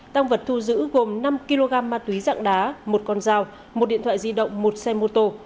tăng vật thu giữ gồm năm kg ma túy dạng đá một con dao một điện thoại di động một xe mô tô